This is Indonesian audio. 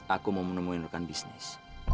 aku mau menemui rekan bisnis